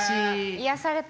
癒やされた。